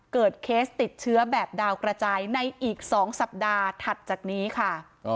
เคสติดเชื้อแบบดาวกระจายในอีก๒สัปดาห์ถัดจากนี้ค่ะ